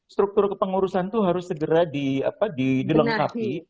struktur kepengurusan itu harus segera dilengkapi